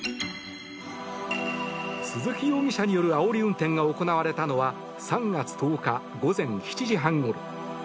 鈴木容疑者によるあおり運転が行われたのは３月１０日午前７時半ごろ。